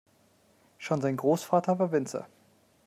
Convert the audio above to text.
Schon sein Großvater war Winzer.